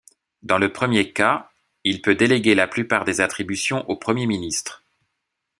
Dans le premier cas, il peut déléguer la plupart des attributions au Premier ministre.